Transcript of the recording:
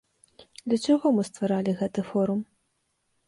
Для чаго мы стваралі гэты форум?